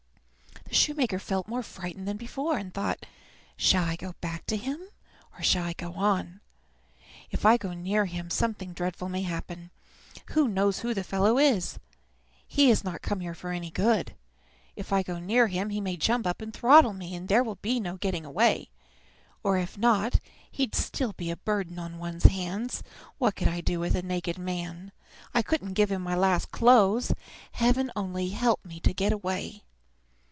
The shoemaker felt more frightened than before, and thought, "Shall I go back to him, or shall I go on? If I go near him something dreadful may happen. Who knows who the fellow is? He has not come here for any good. If I go near him he may jump up and throttle me, and there will be no getting away. Or if not, he'd still be a burden on one's hands. What could I do with a naked man? I couldn't give him my last clothes. Heaven only help me to get away!"